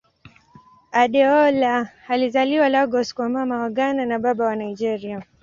Adeola alizaliwa Lagos kwa Mama wa Ghana na Baba wa Nigeria.